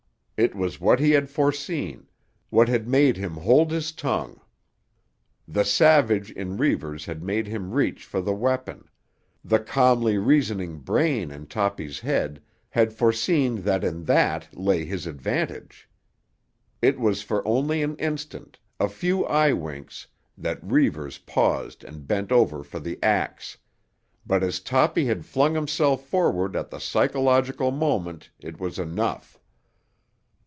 It was what he had foreseen, what had made him hold his tongue. The savage in Reivers had made him reach for the weapon; the calmly reasoning brain in Toppy's head had foreseen that in that lay his advantage. It was for only an instant, a few eye winks, that Reivers paused and bent over for the axe; but as Toppy had flung himself forward at the psychological moment it was enough.